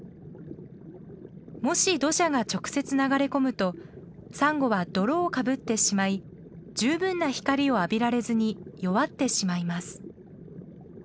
もし土砂が直接流れ込むとサンゴは泥をかぶってしまい十分な光を浴びられずに弱ってしまいます。